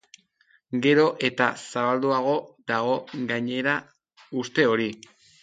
Gero eta zabalduago dago gainera uste hori.